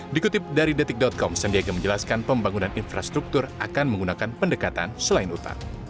dikutip dari detik com sandiaga menjelaskan pembangunan infrastruktur akan menggunakan pendekatan selain utang